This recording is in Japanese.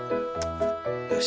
よし。